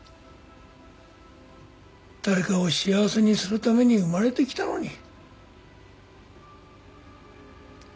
誰かを幸せにするために生まれてきたのに。